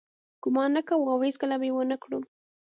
ګمان نه کوو او هیڅکله به یې ونه کړو.